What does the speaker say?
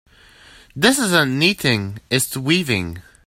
This isn't knitting, its weaving.